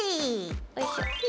おいしょ。